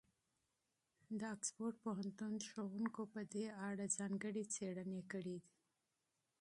د اکسفورډ پوهنتون استادانو په دې اړه ځانګړې څېړنې کړي.